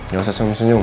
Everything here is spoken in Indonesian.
gak usah senyum senyum